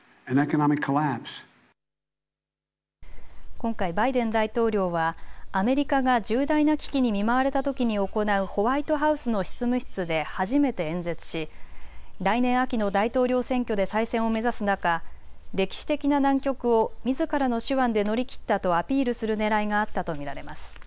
今回、バイデン大統領はアメリカが重大な危機に見舞われたときに行うホワイトハウスの執務室で初めて演説し来年秋の大統領選挙で再選を目指す中、歴史的な難局をみずからの手腕で乗り切ったとアピールするねらいがあったと見られます。